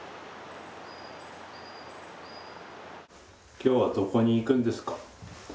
きょうはどこに行くんですか？